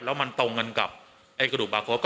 แล้วมันตรงกับกระดูกบราโค้ก็